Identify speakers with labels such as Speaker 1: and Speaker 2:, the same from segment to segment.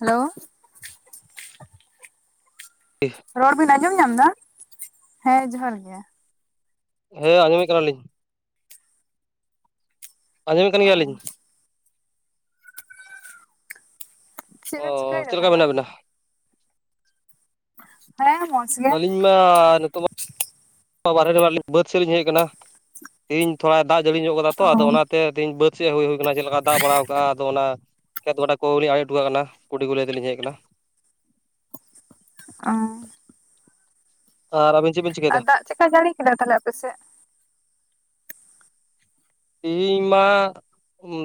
Speaker 1: Hello
Speaker 2: [unintelligible]
Speaker 1: ᱨᱚᱲ ᱵᱤᱱ ᱟᱸᱡᱚᱢ ᱧᱟᱢ ᱮᱫᱟ ᱦᱮᱸ ᱡᱚᱦᱟᱨ ᱜᱮ
Speaker 2: ᱦᱮᱸ ᱟᱸᱡᱚᱢᱮᱫ ᱠᱟᱱᱟᱞᱤᱧ ᱟᱸᱡᱚᱢᱮᱫ ᱠᱟᱱ
Speaker 1: ᱚ
Speaker 2: ᱜᱮᱭᱟᱞᱤᱧ
Speaker 1: ᱪᱮᱫ
Speaker 2: ᱚ
Speaker 1: ᱮᱢ ᱪᱤᱠᱟᱹᱭᱮᱫ
Speaker 2: ᱪᱮᱫ ᱞᱮᱠᱟ
Speaker 1: ᱛᱟᱦᱚᱞᱮ?
Speaker 2: ᱢᱮᱱᱟᱜ ᱵᱤᱱᱟ
Speaker 1: ᱦᱮᱸ ᱢᱚᱡᱽ
Speaker 2: ᱟᱹᱞᱤᱧ ᱢᱟ ᱱᱤᱛᱚᱜ ᱢᱟ ᱵᱟᱨᱦᱮ ᱨᱮ ᱢᱮᱜᱞᱤᱧ ᱵᱟᱹᱫᱽ ᱥᱮᱫ ᱞᱤᱧ ᱦᱮᱡ ᱟᱠᱟᱱᱟ ᱛᱮᱦᱧ ᱛᱷᱚᱲᱟ ᱫᱟᱜ ᱡᱟᱹᱲᱤ ᱧᱚᱜ ᱟᱠᱟᱫᱟ ᱛᱚ
Speaker 1: ᱚ
Speaker 2: ᱟᱫᱚ ᱚᱱᱟᱛᱮ ᱛᱮᱦᱤᱧ ᱵᱟᱹᱫᱽ ᱥᱮᱡ ᱦᱩᱭᱟᱱᱟ ᱪᱮᱫ ᱞᱮᱠᱟ ᱫᱟᱜ ᱵᱟᱲᱟ ᱠᱟᱜᱼᱟ ᱟᱫᱚ ᱚᱱᱟ ᱠᱷᱮᱛ ᱜᱚᱰᱟ ᱠᱚᱞᱤᱧ ᱟᱲᱮ ᱦᱚᱴᱚ ᱠᱟᱜ ᱠᱟᱱᱟ ᱠᱩᱲᱤ ᱠᱚ ᱞᱟᱹᱭ ᱛᱮᱞᱤᱧ ᱦᱮᱡ ᱟᱠᱟᱱᱟ
Speaker 1: ᱚ
Speaker 2: ᱟᱨᱸ ᱟᱵᱤᱧ ᱪᱮᱵᱮᱱ ᱪᱤᱠᱟᱹ
Speaker 1: ᱟᱨ ᱫᱟᱜ ᱪᱮᱠᱟ ᱡᱟᱹᱲᱤ ᱠᱮᱫᱟ ᱛᱟᱦᱚᱞᱮ ᱟᱯᱮᱥᱮᱫ?
Speaker 2: ᱛᱤᱦᱤᱧ ᱢᱟ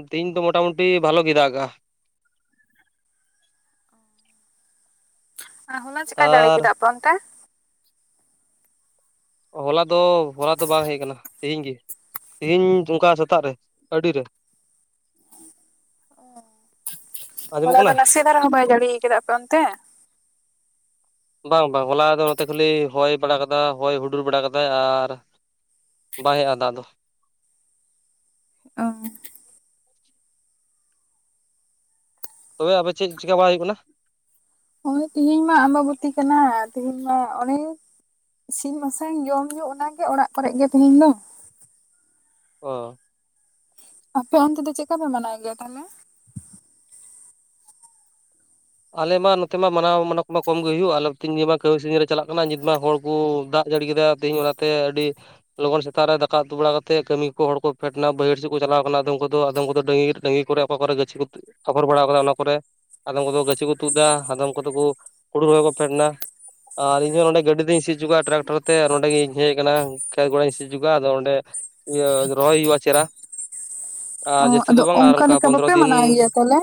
Speaker 2: ᱛᱮᱦᱤᱧ ᱫᱚ ᱢᱚᱴᱟᱢᱩᱴᱤ ᱵᱷᱟᱞᱚ ᱜᱮ ᱫᱟᱜ ᱠᱮᱫᱟ
Speaker 1: ᱦᱚᱞᱟ ᱪᱮᱠᱟᱭ ᱡᱟᱹᱲᱤ
Speaker 2: ᱟᱨ
Speaker 1: ᱠᱮᱫᱟ ᱟᱯᱮᱚᱱᱛᱮ?
Speaker 2: ᱦᱚᱞᱟ ᱫᱚ ᱦᱚᱞᱟ ᱫᱚ ᱵᱟᱝ ᱦᱮᱡ ᱠᱟᱱᱟ ᱛᱮᱦᱤᱧ ᱜᱮ ᱛᱤᱦᱤᱧ ᱚᱱᱠᱟ ᱥᱮᱛᱟᱜ ᱨᱮ ᱟᱹᱲᱤᱨᱮ
Speaker 1: [inaudible]
Speaker 2: ᱟᱸᱡᱚᱢᱚᱜ
Speaker 1: ᱦᱚᱞᱟ ᱫᱚ
Speaker 2: ᱠᱟᱱᱟ
Speaker 1: ᱱᱟᱥᱮ ᱫᱷᱟᱨᱟ ᱦᱚᱸ ᱵᱟᱭ ᱡᱟᱹᱲᱤ ᱟᱠᱟᱫᱟ ᱟᱯᱮ ᱚᱱᱛᱮ
Speaker 2: ᱵᱟᱝ ᱵᱟᱝ ᱦᱚᱞᱟ ᱫᱚ ᱱᱚᱛᱮ ᱠᱷᱟᱹᱞᱤ ᱦᱚᱭ ᱵᱟᱲᱟ ᱠᱟᱫᱟ ᱦᱚᱭ ᱦᱩᱰᱩᱨ ᱵᱟᱲᱟ ᱠᱟᱫᱟᱭ ᱟᱨ ᱵᱟᱭ [unintelligible] ᱫᱟᱜ ᱫᱚ
Speaker 1: ᱚ
Speaker 2: ᱛᱚᱵᱮ ᱟᱫᱚ ᱪᱮᱫ ᱪᱤᱠᱟ ᱵᱟᱲᱟᱭ ᱦᱩᱭᱩᱜ ᱠᱟᱱᱟ?
Speaker 1: ᱦᱚᱭ ᱛᱤᱦᱮᱧ ᱢᱟ ᱟᱢᱵᱟᱵᱚᱛᱤ ᱠᱟᱱᱟ ᱛᱤᱦᱮᱧ ᱢᱟ ᱚᱱᱮ ᱾ ᱤᱥᱤᱱ ᱵᱟᱥᱟᱝ ᱡᱚᱢ ᱧᱩ ᱚᱱᱟᱜᱮ ᱚᱲᱟᱜ ᱠᱚᱨᱮᱜ ᱜᱮ ᱛᱮᱦᱮᱤᱧ ᱫᱚ
Speaker 2: ᱚᱸ
Speaker 1: ᱟᱯᱮ ᱚᱱᱛᱮ ᱫᱚ ᱪᱮᱫᱠᱟ ᱯᱮ ᱢᱟᱱᱟᱣ ᱜᱮᱭᱟ ᱛᱟᱦᱚᱞᱮ?
Speaker 2: ᱟᱞᱮ ᱢᱟ ᱱᱚᱛᱮ ᱢᱟ ᱜᱚᱢᱦᱟ ᱢᱟᱱᱟᱣ ᱠᱚᱢᱟ ᱠᱚᱢ ᱦᱩᱭᱩᱜᱼᱟ ᱟᱞᱮ ᱱᱤᱭᱟᱹ ᱢᱟ ᱠᱟᱹᱢᱤ ᱥᱟᱹᱨᱫᱤ ᱨᱮ ᱪᱟᱞᱟᱜ ᱠᱟᱱᱟ ᱱᱤᱛ ᱢᱟ ᱦᱚᱲ ᱠᱚ ᱫᱟᱜ ᱡᱟᱹᱲᱤ ᱠᱮᱫᱟ ᱾ ᱛᱮᱦᱤᱧ ᱚᱱᱟᱛᱮ ᱟᱹᱰᱤ ᱞᱚᱜᱚᱱ ᱥᱮᱛᱟᱜ ᱨᱮ ᱫᱟᱠᱟ ᱩᱛᱩ ᱵᱟᱲᱟ ᱠᱟᱛᱮᱮᱫ ᱠᱟᱹᱢᱤ ᱠᱚ ᱦᱚᱲ ᱠᱚ ᱯᱷᱮᱰ ᱮᱱᱟ ᱵᱟᱹᱭᱦᱟᱹᱲ ᱥᱮᱫ ᱠᱚ ᱪᱟᱞᱟᱣ ᱠᱟᱱᱟ ᱟᱫᱚᱢ ᱠᱚᱫᱚ ᱟᱫᱚᱢ ᱠᱚᱫᱚ ᱰ ᱰᱟᱹᱦᱤ ᱠᱚᱨᱮ ᱚᱠᱟ ᱠᱚᱨᱮ ᱜᱟᱹᱪᱷᱤ ᱠᱚ ᱟᱯᱷᱚᱨ ᱵᱟᱲᱟ ᱟᱠᱟᱫᱟ ᱚᱱᱟ ᱠᱚᱨᱮ ᱟᱫᱚᱢ ᱠᱚᱫᱚ ᱠᱚ ᱛᱩᱫ ᱮᱫᱟ ᱟᱫᱚᱢ ᱠᱚᱫᱚ ᱠᱚ ᱦᱩᱰᱩ ᱨᱚᱦᱚᱭ ᱠᱚ ᱯᱷᱮᱰ ᱮᱱᱟ ᱟᱨ ᱤᱧ ᱫᱚ ᱱᱚᱰᱮ ᱜᱟᱹᱰᱤ ᱛᱤᱧ ᱥᱤ ᱦᱚᱪᱚ ᱠᱚᱣᱟ ᱴᱨᱟᱠᱴᱚᱨ ᱛᱮ ᱟᱨ ᱱᱚᱰᱮᱤᱧ ᱦᱮᱡ ᱟᱠᱟᱱᱟ᱾ ᱠᱷᱮᱛ ᱤᱧ ᱥᱤᱡᱩᱜᱼᱟ ᱟᱫᱚ ᱚᱸᱰᱮ ᱤᱭᱟᱹ ᱨᱚᱦᱚᱭ ᱦᱩᱭᱩᱜᱼᱟ ᱾
Speaker 1: ᱚ ᱟᱫᱚ ᱚᱱᱠᱟ ᱞᱮᱠᱟ ᱵᱟᱯᱮ ᱢᱟᱱᱟᱣ ᱜᱮᱭᱟ ᱛᱟᱦᱚᱞᱮ?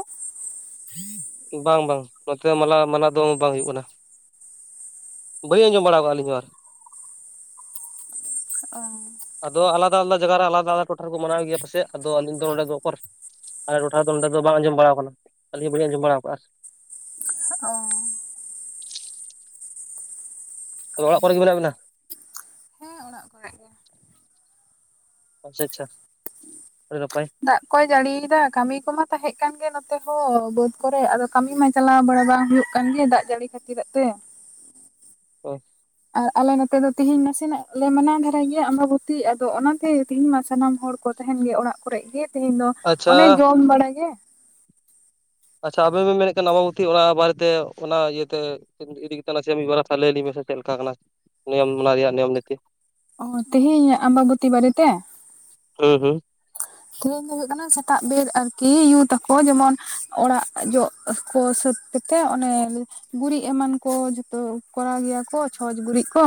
Speaker 2: ᱵᱟᱝ ᱵᱟᱝ ᱱᱚᱛᱮ ᱢᱟᱱᱟᱣ ᱫᱚ ᱵᱟᱝ ᱦᱩᱭᱩᱜᱜ ᱠᱟᱱᱟ ᱾ ᱵᱟᱹᱧ ᱟᱡᱸᱡᱚᱢ ᱵᱟᱲᱟ ᱟᱠᱟᱟᱜᱼᱫᱟ ᱤᱧᱫᱚ ᱾
Speaker 1: ᱚ
Speaker 2: ᱟᱫᱚ ᱟᱞᱟᱫᱟ ᱟᱞᱟᱫᱟ ᱡᱟᱭᱜᱟ ᱨᱮ ᱟᱞᱟᱫᱟ ᱟᱞᱟᱫᱟ ᱴᱚᱴᱷᱟ ᱨᱮᱠᱚ ᱢᱟᱱᱟᱣ ᱜᱮᱭᱟ ᱯᱟᱟᱥᱮᱡ ᱟᱫᱚ ᱟᱞᱤᱧ ᱫᱚ ᱱᱚᱰᱮ ᱫᱚ ᱚᱠᱚᱨ ᱟᱞ ᱴᱚᱴᱷᱟ ᱫᱚ ᱱᱚᱸᱰᱮ ᱫᱚ ᱵᱟᱝ ᱟᱸᱡᱚᱢ ᱵᱟᱲᱟᱟᱣ ᱟᱠᱟᱱᱟ ᱟᱹᱞᱤᱧ ᱦᱚᱸ ᱵᱞᱤᱧ ᱟᱸᱡᱚᱢ ᱵᱟᱲᱟ ᱟᱠᱟᱟᱜᱼᱟ᱾
Speaker 1: ᱚ
Speaker 2: ᱛᱚᱵᱮ ᱚᱲᱟᱜ ᱠᱚᱨᱮ ᱜᱮ ᱢᱮᱵᱟᱜ ᱵᱤᱱᱟ?
Speaker 1: ᱦᱮᱸ ᱚᱲᱟᱜ ᱠᱚᱨᱮ ᱜᱮ᱾
Speaker 2: ᱟᱪᱪᱷᱟ ᱟᱪᱪᱷᱟ ᱟᱲᱟᱭ ᱱᱟᱯᱟᱭ᱾
Speaker 1: ᱫᱟᱜ ᱠᱚᱭ ᱡᱟᱹᱲᱤᱭᱮᱫᱟ ᱠᱟᱹᱢᱤ ᱠᱚᱢᱟ ᱛᱟᱦᱮᱸ ᱠᱟᱱ ᱜᱮ ᱱᱚᱛᱮ ᱦᱚᱸ ᱵᱟᱹᱫ ᱠᱚᱨᱮ ᱟᱫᱚ ᱠᱟᱹᱢᱤ ᱢᱟ᱾ ᱪᱟᱞᱟᱣ ᱵᱟᱲᱟ ᱵᱟᱝ ᱦᱩᱭᱩᱜ ᱠᱟᱱ ᱜᱮ ᱫᱟᱜ ᱡᱟᱹᱲᱤ ᱠᱷᱟᱹᱛᱤᱨ ᱛᱮ᱾
Speaker 2: ᱚ
Speaker 1: ᱟᱨ ᱟᱞᱮ ᱱᱚᱛᱮ ᱫᱚ ᱛᱮᱦᱮᱧ ᱱᱟᱥᱮᱱᱟᱜ ᱞᱮ ᱢᱟᱱᱟᱣ ᱫᱷᱟᱨᱟᱭᱟ ᱜᱮᱭᱟ ᱟᱢᱵᱟᱵᱚᱛᱤ ᱟᱫᱚ ᱚᱱᱟᱛᱮ ᱛᱮᱦᱮᱧ ᱢᱟ ᱥᱟᱱᱟᱢ ᱦᱚᱲ ᱠᱚ ᱛᱟᱦᱮᱱ ᱜᱮ ᱚᱲᱟᱜ ᱠᱚᱨᱮ ᱜᱮ ᱛᱮᱦᱮᱧ ᱫᱚ
Speaker 2: ᱟᱪᱪᱷᱟ
Speaker 1: ᱚᱱᱮ ᱡᱚᱢ ᱵᱟᱲᱟᱜ ᱜᱮ᱾
Speaker 2: ᱟᱪᱪᱷᱟ ᱟᱵᱮᱱ ᱵᱮᱱ ᱢᱮᱱᱮᱫ ᱠᱟᱱᱟ ᱱᱟᱵᱟᱵᱚᱛᱤ ᱚᱱᱟ ᱵᱟᱨᱮᱛᱮ ᱚᱱᱟ ᱤᱭᱟᱹᱛᱮ ᱤᱫᱤ ᱠᱟᱛᱮ ᱥᱮ ᱢᱤᱫ ᱵᱟᱨ ᱞᱟᱹᱭ ᱞᱧ ᱢᱮᱥᱮ ᱪᱮᱫ ᱞᱮᱠᱟ ᱠᱟᱱᱟ ᱱᱤᱭᱚᱢ ᱚᱱᱟ ᱨᱮᱭᱟᱜ ᱱᱤᱭᱚᱢ ᱱᱤᱛᱤ᱾
Speaker 1: ᱚ ᱛᱮᱦᱮᱧ ᱟᱢᱵᱟᱵᱚᱛᱤ ᱵᱟᱨᱮᱛᱮ?
Speaker 2: ᱦᱩᱸ ᱦᱩᱸ
Speaker 1: ᱛᱮᱦᱤᱧ ᱫᱚ ᱦᱩᱭᱩᱜ ᱠᱟᱱᱟ ᱥᱮᱛᱟᱜ ᱨᱮ ᱭᱩ ᱛᱟᱠᱚ ᱡᱮᱢᱚᱱ ᱚᱲᱟᱜ ᱡᱚ ᱜᱚ ᱥᱟᱹᱛᱛᱮ᱾ ᱛᱮ ᱚᱱᱮ ᱜᱩᱨᱤᱡ ᱮᱢᱟᱱ ᱠᱚ ᱡᱚᱛᱚ ᱠᱚᱨᱟᱣ ᱜᱮᱭᱟ ᱠᱚ ᱪᱷᱚᱸᱪ ᱜᱩᱨᱤᱡ ᱠᱚ᱾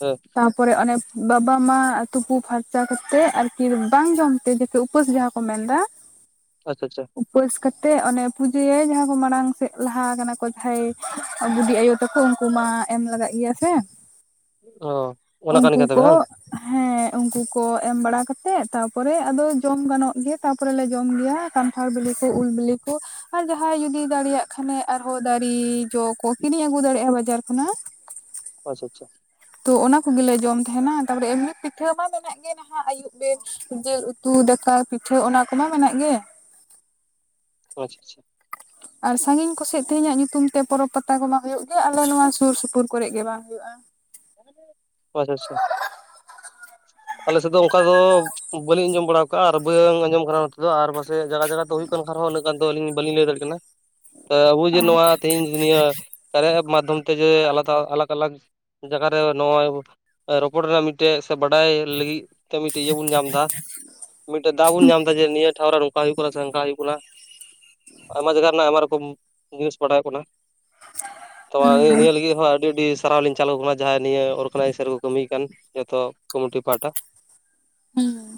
Speaker 2: ᱚᱦ
Speaker 1: ᱛᱟᱯᱚᱨᱮ ᱚᱱᱮ ᱵᱟᱵᱟ ᱢᱟ ᱛᱩᱯᱩ ᱯᱷᱟᱨᱪᱟ ᱠᱟᱛᱮᱮᱫ ᱟᱨᱠᱤ ᱵᱟᱝ ᱡᱚᱢ ᱛᱮ ᱩᱯᱟᱹᱥ ᱡᱟᱦᱟᱸ᱾ ᱠᱚ ᱢᱮᱱᱫᱟ
Speaker 2: ᱚᱡ ᱪᱚᱪᱚ
Speaker 1: ᱩᱯᱟᱹᱥ ᱠᱟᱛᱮᱜ ᱚᱱᱮ ᱯᱩᱡᱟᱹᱭᱟᱭ ᱡᱟᱦᱟᱸ ᱠᱚ ᱢᱟᱲᱟᱝ ᱥᱮᱫ ᱞᱟᱦᱟ ᱠᱟᱱᱟ ᱠᱚ ᱡᱟᱦᱟᱸᱭ ᱵᱩᱰᱰᱤ ᱟᱭᱳ ᱛᱠᱷᱚᱡ ᱩᱱᱠᱩ ᱢᱟ ᱮᱢ ᱞᱟᱜᱟᱜ ᱜᱮᱭᱟ ᱥᱮ᱾
Speaker 2: ᱚ ᱚᱱᱟ ᱠᱟᱱ
Speaker 1: ᱩᱱᱠᱩ
Speaker 2: ᱜᱮᱭᱟ ᱛᱚᱵᱮ
Speaker 1: ᱠᱚ
Speaker 2: [inaudible]
Speaker 1: ᱩᱝᱠᱩ ᱠᱚ ᱮᱢ ᱵᱟᱲᱟ ᱠᱟᱛᱮᱫ ᱛᱟᱯᱚᱨᱮ ᱟᱫᱚ ᱡᱚᱢ ᱜᱟᱱᱚᱜ ᱜᱮ ᱛᱟᱯᱚᱨᱮᱞᱮ ᱡᱚᱢ ᱜᱮᱭᱟ ᱠᱟᱱᱴᱷᱟᱲ ᱵᱤᱞᱤ ᱠᱚ ᱩᱞ ᱵᱤᱞᱤ ᱠᱚ ᱟᱨ ᱡᱟᱦᱟᱸᱭ ᱡᱩᱫᱤ ᱫᱟᱲᱮᱭᱟᱜ ᱠᱷᱟᱱᱮ ᱟᱨᱦᱚᱸ ᱫᱟᱨᱤ ᱡᱚ ᱠᱚ ᱠᱤᱨᱤᱧ ᱟᱹᱜᱩ ᱫᱟᱲᱮᱭᱟᱜᱼᱟ ᱵᱟᱡᱟᱨ ᱠᱷᱚᱱᱟᱜ
Speaker 2: ᱟᱪᱪᱷᱟ ᱟᱪᱷᱟ
Speaker 1: ᱛᱚ ᱚᱱᱟ ᱠᱚᱜᱮᱞᱮ ᱡᱚᱢ ᱛᱷᱟᱦᱮᱸᱱᱟ ᱛᱟᱯᱚᱨᱮ ᱮᱢᱱᱤ ᱯᱤᱴᱷᱟᱹ ᱢᱟ ᱢᱮᱱᱟᱜ ᱜᱮ [inaudible] ᱟᱭᱩᱵ ᱵᱮᱨ ᱡᱤᱞ ᱩᱛᱩ ᱫᱟᱠᱟ ᱯᱤᱴᱷᱟᱹ ᱚᱱᱟ ᱠᱚᱢᱟ ᱢᱮᱱᱟᱜ ᱜᱮ᱾
Speaker 2: ᱚ ᱟᱪᱷᱟ ᱪᱷᱟ
Speaker 1: ᱟᱨ ᱥᱟᱺᱜᱤᱧ ᱠᱚᱥᱮᱡ ᱛᱮᱦᱮᱧᱟᱜ ᱧᱩᱛᱩᱢ ᱛᱮ ᱯᱚᱨᱚᱵᱽ ᱯᱟᱛᱟ ᱠᱚ ᱵᱟᱝ ᱦᱩᱭᱩᱜ ᱜᱮᱭᱟ ᱟᱞᱮ ᱱᱚᱣᱟ ᱥᱩᱨ ᱥᱩᱯᱩᱨ ᱠᱚᱨᱮᱜ ᱜᱮ ᱵᱟᱝ ᱦᱩᱭᱩᱜᱼᱟ᱾
Speaker 2: [unintelligible] ᱟᱞᱮ ᱥᱮᱫ ᱫᱚ ᱚᱱᱠᱟ ᱫᱚ ᱵᱟᱹᱞᱤᱧ ᱟᱸᱡᱚᱢ ᱵᱟᱲᱟ ᱟᱠᱟᱜᱼᱟ ᱟᱨ ᱵᱟᱹᱝ ᱟᱸᱡᱚᱢ [unintelligible] ᱪᱮᱜ ᱡᱟᱜᱟ ᱡᱟᱜᱟ ᱛᱮ ᱦᱩᱭᱩᱜ ᱠᱟᱱ ᱠᱷᱟᱨᱚᱱ ᱩᱱᱟᱹᱜ ᱜᱟᱱ ᱫᱚ ᱟᱞᱤᱧ ᱵᱟᱞᱤᱧ ᱞᱟᱹᱭ ᱫᱟᱲᱤᱜ ᱠᱟᱱᱟ ᱛᱚ ᱟᱵᱩ ᱡᱮ ᱱᱚᱣᱟ ᱛᱮᱦᱤᱧ ᱱᱤᱭᱟᱹ [unintelligible] ᱢᱟᱫᱽᱫᱷᱚᱢ ᱛᱮ ᱡᱮ ᱟᱞᱟᱫᱷᱟ ᱟᱞᱟᱜ ᱟᱞᱟᱜᱽ ᱡᱟᱜᱟ ᱨᱮ ᱱᱚᱜᱚᱭ ᱨᱚᱯᱚᱲ ᱨᱮᱭᱟᱜ ᱢᱤᱫᱴᱮᱡ ᱥᱮ ᱵᱟᱰᱟᱭ᱾ ᱞᱟᱹᱜᱤᱫ ᱛᱮ ᱢᱤᱫᱴᱤᱜ ᱤᱭᱟᱹ ᱵᱚᱱ ᱧᱟᱢ ᱫᱟ ᱢᱤᱫᱴᱮᱡ ᱫᱟᱣ ᱵᱚᱱ ᱧᱟᱢ ᱫᱟ ᱡᱮ ᱱᱤᱭᱟᱹ ᱴᱷᱟᱶ ᱨᱮ ᱠᱟ ᱦᱩᱭᱩᱜ ᱠᱟᱱᱟ ᱪᱷᱮ ᱚᱝᱠᱟ ᱦᱩᱭᱩᱜ ᱠᱟᱱᱟ ᱟᱭᱢᱟ ᱡᱟᱜᱟ ᱨᱮᱱᱟᱜ ᱟᱭᱢᱟ ᱨᱚᱠᱚᱢ ᱱᱤᱭᱩᱡ ᱵᱟᱰᱟᱭᱚᱜ ᱠᱟᱱᱟ [unintelligible] ᱱᱤᱭᱟᱹ ᱞᱤᱜᱤᱜ ᱦᱚᱸᱟᱹᱰᱤ ᱟᱹᱰᱤ ᱪᱟᱞᱟᱣ ᱞᱤᱧ ᱪᱟᱹᱞᱩ ᱟᱱᱟ ᱡᱟᱦᱟᱸ ᱱᱤᱭᱟᱹ [unintelligible] ᱠᱟᱹᱢᱤ ᱠᱟᱱ ᱡᱚᱛᱚ ᱠᱚᱢᱤᱩᱱᱴᱤ ᱯᱟᱦᱟᱴᱟ
Speaker 1: ᱦᱮᱸ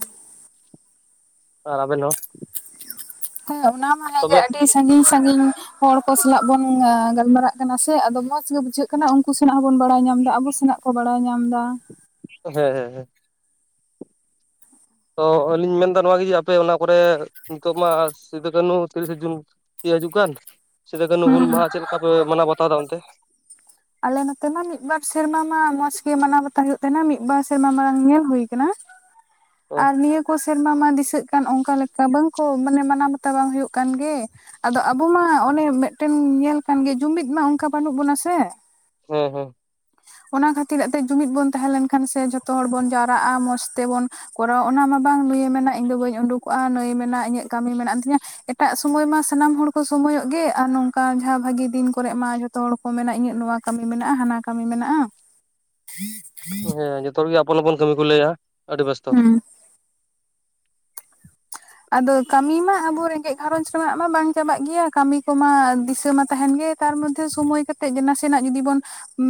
Speaker 2: ᱟᱨ ᱟᱵᱮᱱ ᱦᱚᱸ
Speaker 1: [inaudible] ᱦᱮᱸᱚᱱᱟᱢᱟ ᱦᱮᱸ ᱜᱮ
Speaker 2: ᱛᱚᱵᱮ
Speaker 1: ᱟᱹᱰᱤ ᱥᱟᱺᱜᱤᱧ ᱥᱟᱺᱜᱤᱧ ᱦᱚᱲ ᱠᱚ ᱥᱟᱞᱟᱜ ᱵᱚᱱ ᱜᱟᱞᱢᱟᱨᱟᱜ ᱠᱟᱱᱟ ᱥᱮ ᱟᱫᱚ ᱢᱚᱸᱡᱽ ᱜᱮ ᱵᱩᱡᱷᱟᱹᱜ ᱠᱟᱱᱟ ᱩᱱᱠᱩ ᱥᱮᱱᱟᱜ ᱦᱚᱸᱵᱚᱱ ᱵᱟᱲᱟᱭ ᱧᱟᱢᱫᱟ ᱟᱵᱚ ᱥᱮᱱᱟᱜ ᱠᱚ ᱵᱟᱲᱟᱭ ᱧᱟᱢ ᱮᱫᱟ
Speaker 2: ᱦᱮᱸ ᱦᱮᱸ ᱦᱮᱸ ᱛᱚ ᱟᱞᱤᱧ ᱢᱮᱱᱫᱟ ᱱᱚᱣᱟ ᱡᱩᱫᱤ ᱟᱯᱮ ᱚᱱᱟ ᱠᱚᱨᱮ ᱱᱤᱛᱚᱜ ᱢᱟ ᱥᱤᱫᱩ ᱠᱟᱹᱱᱦᱩ ᱛᱤᱨᱤᱥᱮ ᱡᱩᱱ ᱤᱭᱟ. ᱦᱟᱡᱩᱜ ᱠᱟᱱ ᱥᱤᱫᱩ ᱠᱟᱹᱱᱦᱩ ᱦᱩᱞ ᱢᱟᱦᱟᱸ ᱪᱮᱫ ᱞᱮᱠᱟ ᱯᱮ ᱢᱟᱱᱟᱣ ᱵᱟᱛᱟᱣ ᱮᱫᱟ ᱚᱱᱛᱮ
Speaker 1: ᱟᱞᱮ ᱱᱚᱛᱮ ᱢᱟ ᱢᱤᱫ ᱵᱟᱨ ᱥᱮᱨᱢᱟ ᱢᱟ ᱢᱚᱸᱡᱽ ᱜᱮ ᱢᱟᱱᱟᱣ ᱵᱟᱛᱟᱣ ᱦᱩᱭᱩᱜ ᱛᱟᱦᱮᱸᱱᱟ ᱢᱤᱫ ᱵᱟᱨ ᱥᱮᱨᱢᱟ ᱢᱟᱲᱟᱝ ᱧᱮᱞ ᱦᱩᱭ ᱠᱟᱱᱟ
Speaker 2: ᱦᱮᱸ
Speaker 1: ᱟᱨ ᱱᱤᱭᱟᱹ ᱠᱚ ᱥᱮᱨᱢᱟ ᱢᱟ ᱫᱤᱥᱟᱹᱜ ᱠᱟᱱ ᱚᱝᱠᱟ ᱞᱮᱠᱟ ᱵᱟᱝᱠᱚ ᱢᱟᱱᱮ ᱢᱟᱱᱟᱣ ᱵᱟᱛᱟᱣ ᱵᱟᱝ ᱦᱩᱭᱩᱜ ᱠᱟᱱ ᱜᱮ ᱟᱫᱚ ᱟᱵᱚ ᱢᱟ ᱚᱱᱮ ᱢᱤᱫᱴᱮᱱ ᱧᱮᱞ ᱠᱟᱱᱜᱮ ᱡᱩᱢᱤᱫ ᱢᱟ ᱚᱝᱠᱟ ᱵᱟᱹᱱᱩᱜ ᱵᱚᱱᱟ ᱥᱮ
Speaker 2: ᱦᱮᱸ ᱦᱮᱸ
Speaker 1: ᱚᱱᱟ ᱠᱷᱟᱹᱛᱤᱨ ᱟᱛᱮᱜ ᱡᱩᱢᱤᱫ ᱵᱚᱱ ᱛᱟᱦᱮᱸ ᱞᱮᱱᱠᱷᱟᱱ ᱥᱮ ᱡᱷᱚᱛᱚ ᱦᱚᱲ ᱵᱚᱱ ᱡᱟᱣᱨᱟᱜᱼᱟ ᱢᱚᱸᱡᱽ ᱛᱮᱵᱚᱱ ᱠᱚᱨᱟᱣ ᱚᱱᱟ ᱢᱟ ᱵᱟᱝ ᱱᱩᱭᱮ ᱢᱮᱱᱟ ᱤᱧ ᱫᱚ ᱵᱟᱹᱧ ᱩᱰᱩᱠᱚᱜᱼᱟ ᱱᱩᱭᱮ ᱢᱮᱱᱟ ᱤᱧᱟᱹᱜ ᱠᱟᱹᱢᱤ ᱢᱮᱱᱟᱜ ᱟᱱ ᱛᱤᱧᱟᱹ ᱮᱴᱟᱜ ᱥᱚᱢᱚᱭ ᱢᱟ ᱥᱟᱱᱟᱢ ᱦᱚᱲ ᱠᱚ ᱥᱚᱢᱚᱭᱚᱜ ᱜᱮ ᱟᱨ ᱱᱚᱝᱠᱟ ᱡᱟᱦᱟᱸ ᱵᱷᱟᱜᱤ ᱫᱤᱱ ᱠᱚᱨᱮᱜ ᱢᱟ ᱡᱷᱚᱛ ᱡᱚᱛᱚ ᱦᱚᱲ ᱠᱚ ᱢᱮᱱᱟ ᱤᱧᱟᱹᱜ ᱱᱚᱣᱟ ᱠᱟᱹᱢᱤ ᱢᱮᱱᱟᱜᱼᱟ ᱦᱟᱸᱱᱟ ᱠᱟᱹᱢᱤ ᱢᱮᱱᱟᱜ [inaudible]
Speaker 2: ᱦᱮᱸ ᱡᱚᱛᱚ ᱜᱮ ᱟᱯᱚᱱ ᱟᱯᱚᱱ ᱠᱟᱹᱢᱤ ᱠᱚ ᱞᱟᱹᱭᱟ ᱟᱹᱰᱤ ᱵᱮᱥᱛᱚ
Speaker 1: ᱦᱩᱸ
Speaker 2: [inaudible]
Speaker 1: ᱟᱫᱚ ᱠᱟᱹᱢᱤ ᱢᱟ ᱟᱵᱚ ᱨᱮᱸᱜᱮᱡ ᱜᱷᱟᱨᱚᱸᱡᱽ ᱨᱮᱱᱟᱜ ᱢᱟ ᱵᱟᱝ ᱪᱟᱵᱟᱜ ᱜᱮᱭᱟ ᱠᱟᱹᱢᱤ ᱠᱚᱢᱟ ᱫᱤᱥᱟᱹ ᱢᱟ ᱛᱟᱦᱮᱱ ᱜᱮ ᱛᱟᱨ ᱢᱚᱫᱽᱫᱷᱮ ᱥᱚᱢᱚᱭ ᱠᱟᱛᱮᱜ ᱜᱮ ᱱᱟᱥᱮᱱᱟᱜ ᱡᱩᱫᱤ ᱵᱚᱱ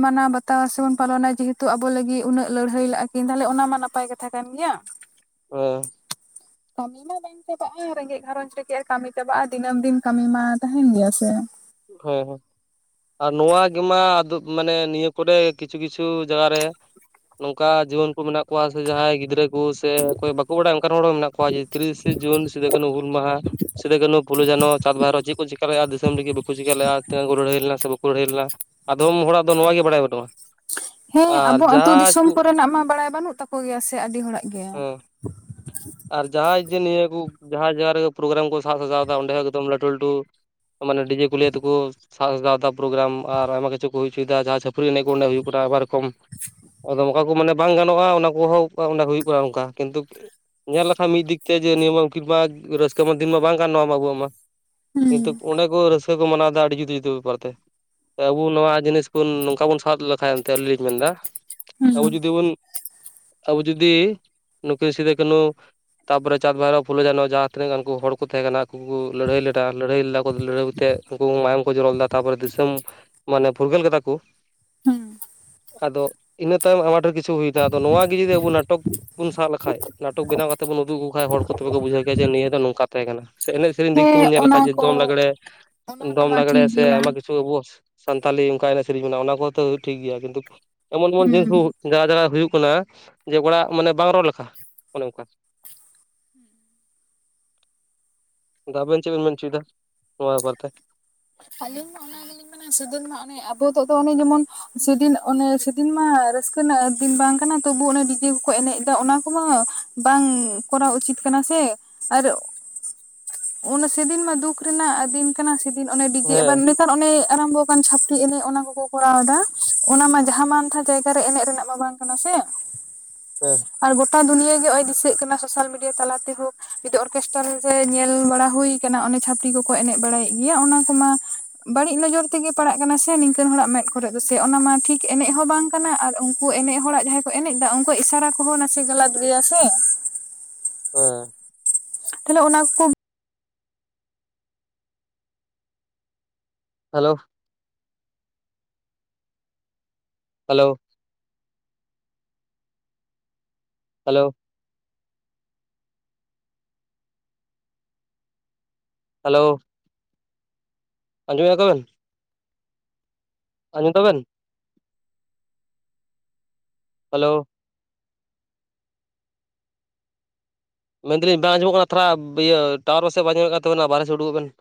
Speaker 1: ᱢᱟᱱᱟᱣ ᱵᱟᱛᱟᱣ ᱥᱮᱵᱚᱱ ᱯᱟᱞᱚᱱᱟ ᱡᱮᱦᱮᱛᱩ ᱟᱵᱚ ᱞᱟᱹᱜᱤᱫ ᱩᱱᱟᱹᱜ ᱞᱟᱹᱲᱦᱟᱹᱭ ᱞᱟᱜᱼᱟ ᱠᱤᱱ ᱛᱟᱦᱚᱞᱮ ᱚᱱᱟ ᱢᱟ ᱱᱟᱯᱟᱭ ᱠᱟᱛᱷᱟ ᱠᱟᱱ ᱜᱮᱸᱭᱟ
Speaker 2: ᱚᱭ
Speaker 1: ᱠᱟᱹᱢᱤ ᱢᱟ ᱵᱟᱝ ᱪᱟᱵᱟᱜᱼᱟ ᱨᱮᱸᱜᱮᱡ ᱜᱷᱟᱨᱚᱸᱧᱡᱽ ᱨᱮ ᱪᱮᱜ ᱠᱟᱹᱢᱤ ᱪᱟᱵᱟᱜᱼᱟ ᱫᱤᱱᱟᱹᱢ ᱫᱤᱱ ᱠᱟᱹᱢᱤ ᱢᱟ ᱛᱟᱦᱮᱸᱱ ᱜᱮᱭᱟ ᱥᱮ
Speaker 2: ᱦᱮᱸ ᱦᱮᱸ ᱟᱨ ᱱᱚᱣᱟ ᱜᱮᱢᱟ ᱟᱫᱩ ᱢᱟᱱᱮ ᱱᱤᱭᱟᱹ ᱠᱚᱨᱮ ᱠᱤᱪᱷᱩ ᱠᱤᱪᱷᱩ ᱡᱟᱭᱜᱟ ᱨᱮ ᱱᱚᱝᱠᱟ ᱡᱤᱣᱟᱹᱱ ᱠᱚ ᱢᱮᱱᱟᱜ ᱠᱚᱣᱟ ᱥᱮ ᱡᱟᱦᱟᱸᱭ ᱜᱤᱫᱽᱨᱟᱹ ᱠᱚ ᱥᱮ ᱚᱠᱚᱭ ᱵᱟᱠᱚ ᱵᱟᱰᱟᱭ ᱚᱝᱠᱟᱱ ᱦᱚᱲ ᱦᱚᱸ ᱢᱮᱱᱟᱜ ᱠᱚᱣᱟ ᱛᱤᱨᱤᱥᱮ ᱡᱩᱱ ᱥᱤᱫᱩ ᱼ ᱠᱟᱹᱱᱦᱩ ᱦᱩᱞ ᱢᱟᱦᱟ ᱥᱤᱫᱟᱹ ᱠᱟᱹᱱᱦᱩ ᱯᱷᱩᱞᱚ ᱡᱷᱟᱱᱚ ᱪᱟᱸᱫᱽ ᱵᱷᱭᱨᱚ ᱪᱮᱫ ᱠᱚ ᱪᱮᱠᱟ ᱞᱮᱼᱟ ᱫᱤᱥᱚᱢ ᱞᱟᱹᱜᱤᱫ ᱵᱟᱠᱚ ᱪᱮᱠᱟ ᱞᱮᱫᱟ ᱛᱤᱱᱟᱹᱜ ᱠᱚ ᱞᱟᱹᱲᱦᱟᱭ ᱞᱟᱹᱲᱦᱟᱹᱭ ᱞᱮᱱᱟ ᱟᱫᱷᱚᱢ ᱦᱚᱲᱟᱜ ᱫᱚ ᱱᱚᱣᱟ ᱜᱮ ᱵᱟᱲᱟᱭ ᱵᱟᱱᱟᱹᱱᱩᱜ
Speaker 1: ᱦᱮᱸ ᱟᱵᱚ ᱟᱛᱩ ᱫᱤᱥᱚᱢ ᱠᱚᱨᱮᱱᱟᱜ ᱢᱟ ᱵᱟᱲᱟᱭ ᱵᱟᱹᱱᱩᱜ ᱛᱟᱠᱚ ᱜᱮᱭᱟ ᱥᱮ ᱟᱹᱰᱤ ᱦᱚᱲᱟᱜ ᱜᱮ ᱾
Speaker 2: ᱦᱮᱸ ᱟᱨ ᱡᱟᱦᱟᱸᱭ ᱡᱮ ᱱᱤᱭᱟᱹ ᱠᱚ ᱡᱟᱦᱟᱸ ᱡᱟᱭᱜᱟ ᱨᱮᱜᱮ ᱯᱨᱳᱜᱨᱟᱢ ᱠᱚ ᱥᱟᱡ ᱥᱟᱡᱟᱣ ᱮᱫᱟ ᱚᱸᱰᱮ ᱦᱚᱸ ᱮᱠᱫᱚᱢ ᱞᱟᱹᱴᱩ ᱞᱟᱹᱴᱩ ᱾ ᱢᱟᱱᱮ ᱰᱤᱡᱮ ᱠᱚ ᱞᱤᱭᱟ ᱛᱠᱚ ᱥᱟᱱᱥᱫᱟᱛᱟ ᱯᱨᱳᱜᱨᱟᱢ ᱟᱨ ᱟᱭᱢᱟ ᱠᱤᱪᱷᱩ ᱠᱚ ᱦᱩᱭ ᱚᱪᱚᱭᱮᱫᱟ ᱡᱟᱦᱟᱸᱭ ᱪᱷᱟᱹᱯᱨᱤ ᱮᱱᱮᱡ ᱠᱚ ᱚᱸᱰᱮ ᱦᱩᱭᱩᱜ ᱠᱟᱱᱟ ᱟᱭᱢᱟ ᱨᱮᱠᱚᱢ ᱾ ᱟᱫᱚ ᱚᱱᱠᱟ ᱠᱚ ᱢᱮᱱᱟ ᱵᱟᱝ ᱜᱟᱱᱚᱜᱼᱟ ᱚᱱᱟ ᱠᱚᱦᱚᱸ ᱦᱩᱭᱩᱜ ᱠᱟᱱᱟ ᱚᱱᱠᱟ ᱠᱤᱱᱛᱩ ᱾ ᱧᱮᱞ ᱞᱮᱠᱷᱟᱱ ᱢᱤᱫ ᱫᱤᱠ ᱛᱮ ᱡᱮ ᱱᱤᱭᱟᱹ ᱩᱱᱠᱤᱱ ᱢᱟ ᱨᱟᱹᱥᱠᱟᱹ ᱢᱟ ᱫᱤᱱ ᱢᱟ ᱵᱟᱝ ᱠᱟᱱ ᱱᱚᱣᱟ ᱢᱟ ᱟᱹᱵᱩᱜ ᱢᱟ ᱾ ᱠᱤᱱᱛᱩ
Speaker 1: ᱦᱩᱸ
Speaker 2: ᱚᱸᱰᱮ ᱠᱚ ᱨᱟᱹᱥᱠᱟᱹ ᱠᱚ ᱢᱟᱱᱟᱣᱫᱟ ᱟᱹᱰᱤ ᱡᱩᱫᱟᱹ ᱼ ᱡᱩᱫᱟᱹ ᱵᱮᱯᱟᱨ ᱛᱮ ᱾ ᱟᱹᱵᱩ ᱱᱚᱣᱟ ᱡᱤᱱᱤᱥ ᱵᱚᱱ ᱱᱚᱝᱠᱟ ᱵᱚᱱ ᱥᱟᱦᱫ ᱞᱮᱠᱷᱟ ᱮᱱᱛᱮ ᱟᱹᱞᱤᱧ ᱞᱤᱧ ᱢᱮᱱ ᱮᱫᱟ ᱾
Speaker 1: ᱦᱩᱸ
Speaker 2: ᱟᱵᱚ ᱡᱩᱫᱤ ᱵᱚᱱ ᱟᱵᱚ ᱡᱩᱫᱤ ᱱᱩᱠᱤᱱ ᱥᱤᱫᱟᱹ ᱠᱟᱹᱱᱦᱩ᱾ ᱛᱟᱨᱯᱚᱨᱮ ᱪᱟᱸᱫᱽ ᱵᱷᱟᱭᱨᱚᱯ ᱯᱷᱩᱞᱳ ᱡᱷᱟᱱᱚ ᱡᱟᱦᱟᱸ ᱛᱤᱱᱟᱹᱜ ᱜᱟᱱᱠᱩ ᱦᱚᱲ ᱠᱚ ᱛᱟᱦᱮᱸ ᱠᱟᱱᱟ ᱩᱱᱠᱩ ᱠᱚ ᱞᱟᱹᱲᱦᱟᱹᱭ ᱞᱮᱫᱟ ᱞᱟᱹᱲᱦᱟᱹᱭ ᱞᱮᱫᱟ ᱠᱚ ᱞᱟᱹᱲᱦᱟᱹᱭ ᱛᱮ ᱩᱱᱠᱩ ᱢᱟᱭᱟᱢ ᱠᱚ ᱡᱚᱨᱚ ᱞᱮᱫᱟ ᱛᱟᱨᱯᱚᱨᱮ ᱫᱤᱥᱚᱢ ᱢᱟᱱᱮ ᱯᱷᱩᱨᱜᱟᱹᱞ ᱠᱟᱫᱟ ᱠᱚ ᱾
Speaker 1: ᱦᱮᱸ᱾
Speaker 2: ᱟᱫᱚ ᱤᱱᱟᱹ ᱛᱟᱭᱚᱢ ᱟᱭᱢᱟ ᱰᱷᱮᱨ ᱠᱤᱪᱷᱩ ᱦᱩᱭᱱᱟ ᱟᱫᱚ ᱱᱚᱣᱟ ᱜᱮ ᱡᱩᱫᱤ ᱟᱵᱚ ᱱᱟᱴᱚᱠ ᱵᱚᱱ ᱥᱟᱵ ᱞᱮᱠᱷᱟᱡ ᱾ ᱱᱟᱴᱚᱠ ᱵᱮᱣ ᱠᱟᱛᱮᱫ ᱵᱚᱱ ᱩᱫᱩᱜ ᱟᱠᱚ ᱠᱷᱟᱱ ᱦᱚᱲ ᱠᱚ ᱛᱚᱵᱮ ᱠᱚ ᱵᱩᱡᱷᱟᱹᱣ ᱠᱮᱭᱟᱡᱮ ᱱᱤᱭᱟᱹ ᱫᱚ ᱱᱚᱝᱠᱟ ᱛᱟᱦᱮᱸ ᱠᱟᱱᱟ ᱾ ᱥᱮ ᱮᱱᱮᱡ ᱥᱮᱨᱮᱧ ᱫᱤᱠ
Speaker 1: ᱦᱮᱸ
Speaker 2: ᱛᱮᱵᱚᱱ ᱧᱮᱞ ᱞᱮᱠᱷᱟᱡ
Speaker 1: ᱚᱱᱟ
Speaker 2: ᱡᱮ
Speaker 1: ᱠᱚ
Speaker 2: ᱫᱚᱝ ᱞᱟᱜᱽᱲᱮ
Speaker 1: ᱚᱱᱟ
Speaker 2: ᱫᱚᱝ
Speaker 1: ᱠᱚᱢᱟ
Speaker 2: ᱞᱟᱜᱽᱲᱮ
Speaker 1: ᱴᱷᱤᱠ
Speaker 2: ᱥᱮ
Speaker 1: ᱜᱮᱭᱟ
Speaker 2: ᱟᱭᱢᱟ ᱠᱤᱪᱷᱩ ᱾ ᱟᱵᱚᱜ ᱥᱟᱱᱛᱟᱞᱤ ᱚᱱᱠᱟ ᱮᱱᱮᱡ ᱥᱮᱨᱮᱧ ᱢᱮᱱᱟᱜᱼᱟ ᱚᱱᱟ ᱠᱚᱦᱚᱸ ᱛᱚ ᱴᱷᱤᱠ ᱜᱮᱭᱟ ᱠᱤᱱᱛᱩ ᱾ ᱮᱢᱚᱱ ᱮᱢᱚᱱ ᱡᱤᱱᱤᱥ ᱠᱚ
Speaker 1: ᱦᱩᱸ
Speaker 2: ᱡᱟᱭᱜᱟ ᱡᱟᱭᱜᱟ ᱦᱩᱭᱩᱜ ᱠᱟᱱᱟ ᱡᱮ ᱚᱲᱟᱜ ᱢᱟᱱᱮ ᱵᱟᱝ ᱨᱚᱲ ᱞᱮᱠᱟ ᱾ ᱚᱱᱮ ᱚᱱᱠᱟ ᱟᱵᱮᱱ ᱪᱮᱫ ᱵᱮᱱ ᱢᱮᱱ ᱚᱪᱚᱭᱮᱫᱟ ᱱᱚᱣᱟ ᱵᱮ ᱵᱟᱨ ᱛᱮ?
Speaker 1: ᱟᱹᱞᱤᱧ ᱢᱟ ᱚᱱᱟ ᱜᱮᱞᱤᱧ ᱢᱮᱱᱟ ᱥᱟᱹᱫᱟᱹᱱ ᱢᱟ ᱚᱱᱮ ᱟᱵᱚ ᱛᱚᱜ ᱫᱚ ᱡᱮᱢᱚᱱ ᱥᱮᱫᱤᱱ ᱚᱱᱮ ᱥᱮᱫᱤᱱ ᱢᱟ ᱨᱟᱹᱥᱠᱟᱹ ᱨᱮᱱᱟᱜ ᱫᱤᱱ ᱵᱟᱝ ᱠᱟᱱᱟ ᱛᱚᱵᱩ ᱚᱱᱮ ᱰᱤᱡᱮ ᱠᱚᱠᱚ ᱮᱱᱮᱡ ᱫᱟ ᱚᱱᱟ ᱠᱚᱢᱟ ᱵᱟᱝ ᱠᱚᱨᱟᱣ ᱩᱪᱤᱛ ᱠᱟᱱᱟ ᱥᱮ ᱟᱨ ᱚᱱᱟ ᱥᱮᱫᱤᱱ ᱢᱟ ᱫᱩᱠ ᱨᱮᱱᱟᱜ ᱫᱤᱱ ᱠᱟᱱᱟ ᱥᱮᱫᱤᱱ ᱚᱱᱮ ᱰᱤᱡᱮ ᱮᱵᱟᱱ
Speaker 2: ᱦᱮᱸ
Speaker 1: ᱱᱤᱛ ᱱᱮᱛᱟᱨ ᱚᱱᱮ ᱟᱨᱟᱢᱵᱷᱚ ᱟᱠᱟᱱ ᱪᱷᱟᱯᱨᱤ ᱮᱱᱮᱡ ᱚᱱᱟ ᱠᱚᱠᱚ ᱠᱚᱨᱟᱣ ᱮᱫᱟ ᱚᱱᱟ ᱢᱟ ᱡᱟᱦᱟᱸ ᱢᱟᱱᱛᱷᱟ ᱡᱟᱭᱜᱟ ᱨᱮ ᱮᱱᱮᱡ ᱨᱮᱱᱟᱜ ᱢᱟ ᱵᱟᱝ ᱚᱱᱟ ᱥᱮ
Speaker 2: ᱦᱮᱸ
Speaker 1: ᱟᱨ ᱜᱚᱴᱟ ᱫᱩᱱᱤᱭᱟᱹ ᱜᱮ ᱱᱚᱜ-ᱚᱭ ᱫᱤᱥᱟᱹᱜ ᱠᱟᱱᱟ ᱥᱳᱥᱟᱞ ᱢᱤᱰᱤᱭᱟᱹ ᱛᱟᱞᱟ ᱛᱮᱦᱚᱸ ᱡᱩᱫᱤ ᱚᱨᱠᱮᱥᱴᱟᱨ ᱥᱮ ᱧᱮᱞ ᱵᱟᱲᱟ ᱦᱩᱭ ᱚᱱᱮ ᱪᱷᱟᱹᱯᱨᱤ ᱠᱚᱠᱚ ᱮᱱᱮᱡ ᱵᱟᱲᱟᱭᱮᱫ ᱜᱮᱭᱟ ᱚᱱᱟ ᱠᱚᱢᱟ ᱾ ᱵᱟᱹᱲᱤᱡ ᱱᱚᱡᱚᱨ ᱛᱮᱜᱮ ᱯᱟᱲᱟᱜ ᱠᱟᱱᱟ ᱥᱮ ᱱᱤᱝᱠᱟᱹᱱ ᱦᱚᱲᱟᱜ ᱢᱮᱫ ᱠᱚᱨᱮᱫ ᱫᱚ ᱥᱮ ᱚᱱᱟᱢᱟ ᱴᱷᱤᱠ ᱮᱱᱮᱡ ᱦᱚᱸ ᱵᱟᱝ ᱠᱟᱱᱟ ᱟᱨ ᱩᱱᱠᱩ ᱮᱱᱮᱡ ᱦᱚᱲᱟᱜ ᱡᱟᱦᱟᱸᱭ ᱠᱚ ᱮᱱᱮᱡ ᱮᱫᱟ ᱩᱱᱠᱩᱣᱟᱜ ᱤᱥᱟᱨᱟ ᱠᱚᱦᱚᱸ ᱱᱟᱥᱮ ᱜᱟᱞᱟᱫ ᱜᱮᱭᱟ ᱥᱮ
Speaker 2: ᱦᱮᱸ
Speaker 1: ᱛᱟᱦᱚᱞᱮ ᱚᱱᱟ ᱠᱚ
Speaker 2: ᱦᱮᱞᱳ ᱦᱮᱞᱳ ᱦᱮᱞᱳ ᱦᱮᱞᱳ ᱟᱸᱡᱚᱢᱮ ᱫᱟ ᱵᱮᱱ ᱟᱡᱚᱢ ᱫᱟ ᱵᱮᱱ ᱦᱮᱞᱳ ᱢᱮᱱ ᱫᱟᱹᱞᱤᱧ ᱵᱟᱝ ᱟᱸᱡᱚᱢᱚᱜ ᱠᱟᱱᱟ ᱛᱷᱚᱲᱟ ᱤᱭᱟᱹ ᱴᱟᱣᱟᱨ ᱯᱟᱥᱮ ᱵᱟᱭ ᱧᱟᱢᱮᱠᱟᱱ ᱛᱟᱵᱮᱱᱟ ᱵᱟᱦᱨᱮ ᱥᱮᱫ ᱩᱰᱩᱠᱚᱜ ᱵᱮᱱ ᱾